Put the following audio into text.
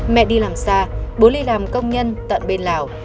mẹ đi làm xa bố ly làm công nhân tận bên lào